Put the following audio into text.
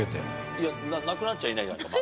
いやなくなっちゃいないまだ。